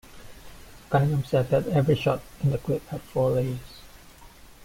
Cunningham said that every shot in the clip had four layers.